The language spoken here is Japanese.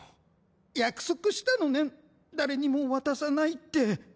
約束したのねん誰にも渡さないって。